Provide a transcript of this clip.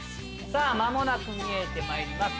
間もなく見えてまいります。